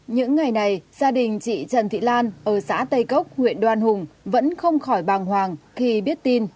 những ngày này gia đình chị trần thị lan ở xã tây cốc huyện đoan hùng vẫn không khỏi bàng hoàng khi biết tin